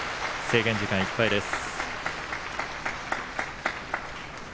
制限時間いっぱいです。